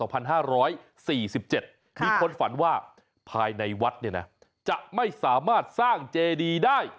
มีคนฝันว่าภายในวัดจะไม่สามารถสร้างเจดีได้